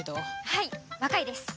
はい若いです。